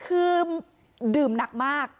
คือดื่มหนักมาก